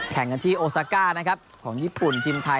แข่งกันที่โอซาก้านะครับของญี่ปุ่นทีมไทย